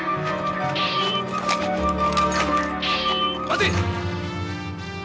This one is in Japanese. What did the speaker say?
待て！